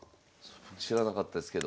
知らなかったですけど。